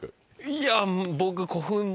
いや僕。